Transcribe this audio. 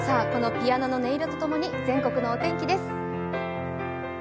このピアノの音色と共に全国のお天気です。